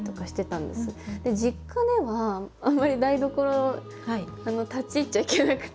実家ではあんまり台所立ち入っちゃいけなくて。